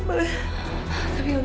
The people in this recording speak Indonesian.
kamu udah selesai